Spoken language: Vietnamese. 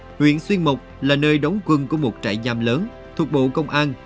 huyện xuyên mộc là nơi đóng quân của một trại giam lớn thuộc bộ công an